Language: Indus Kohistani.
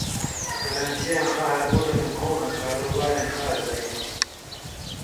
کراچی یاں خہر بُٹؤں نہ گھوں آں کاروبارَیں خاص زئ تھی،